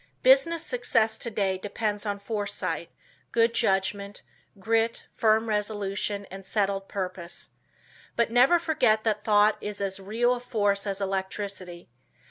Business success today depends on foresight, good judgment, grit, firm resolution and settled purpose. But never forget that thought is as real a force as electricity.